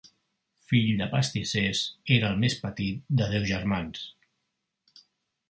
Fill de pastissers, era el més petit de deu germans.